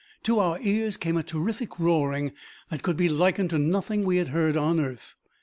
To our ears came a terrific roaring that could be likened to nothing we had heard on earth.